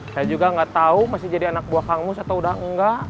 saya juga gak tau masih jadi anak buah kangmus atau udah enggak